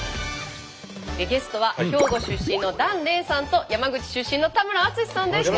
ゲストは兵庫出身の檀れいさんと山口出身の田村淳さんです。